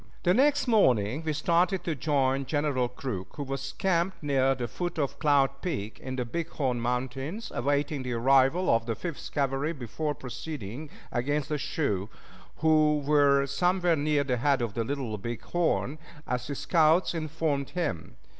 The next morning we started to join General Crook, who was camped near the foot of Cloud Peak in the Big Horn Mountains, awaiting the arrival of the Fifth Cavalry before proceeding against the Sioux, who were somewhere near the head of the Little Big Horn as his scouts informed him.